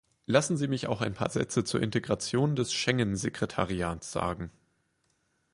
Lassen Sie mich auch ein paar Sätze zur Integration des Schengen-Sekretariats sagen.